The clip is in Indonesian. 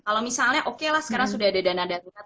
kalau misalnya oke lah sekarang sudah ada dana darurat